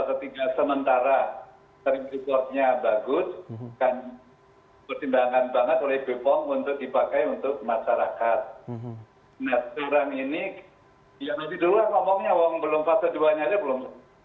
nah seorang ini ya nanti dulu lah ngomongnya belum fase duanya aja belum